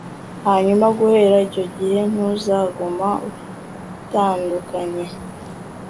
Hanyuma guhera icyo gihe ntuzaguma utandukanye